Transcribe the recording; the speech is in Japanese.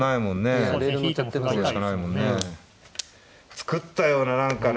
作ったような何かね